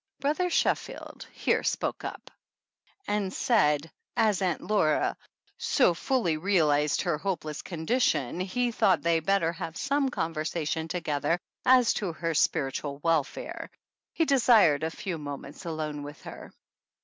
Brother Sheffield here spoke up and said as Aunt Laura "so fully realized her hopeless con dition he thought they better have some conver sation together as to her spiritual welfare. He desired a few moments alone with her."